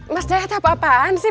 mas daya tak apa apaan sih